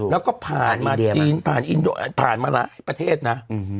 แล้วก็ผ่านมาจีนผ่านมาประเทศนะ